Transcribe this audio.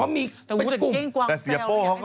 เดี๋ยวซ้ายเก้งกวางแซล